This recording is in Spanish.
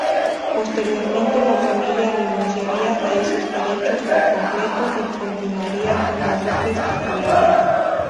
Posteriormente la familia renunciaría a esos derechos por completo y continuarían como duques titulares.